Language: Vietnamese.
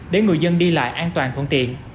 để người dân đi lại an toàn thuận tiện